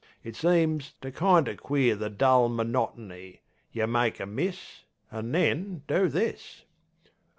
It seems to kind o' queer The dull monotony. yeh make a miss, An' then do this.